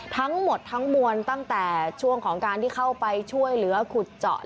ทั้งหมดทั้งมวลตั้งแต่ช่วงของการที่เข้าไปช่วยเหลือขุดเจาะ